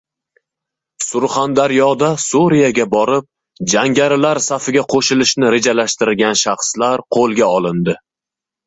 Surxondaryoda Suriyaga borib, jangarilar safiga qo‘shilishni rejalashtirgan shaxslar qo‘lga olindi